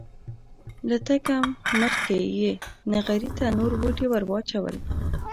له تګه مخکې یې نغري ته نور بوټي ور واچول.